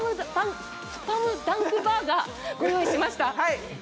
スパムダンクバーガー！をご用意しました。